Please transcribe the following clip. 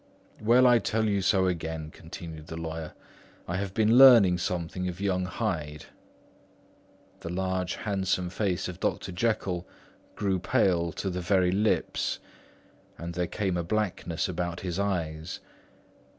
"Well, I tell you so again," continued the lawyer. "I have been learning something of young Hyde." The large handsome face of Dr. Jekyll grew pale to the very lips, and there came a blackness about his eyes.